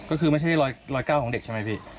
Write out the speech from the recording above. ก็คือไม่ใช่รอยก้าวของเด็กใช่ไหมพี่